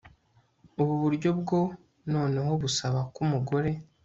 ubu buryo bwo noneho busaba ko umugore